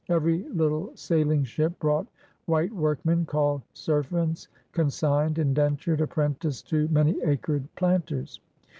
Every little sailing ship brought white worianen ;— called serv ants — consigned, indentured, apprenticed to many acred planters.